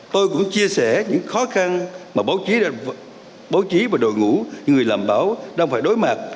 tôi cũng chia sẻ những khó khăn mà báo chí báo chí và đội ngũ những người làm báo đang phải đối mặt